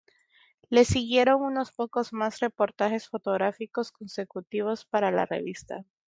Le siguieron unos pocos más reportajes fotográficos consecutivos para la revista.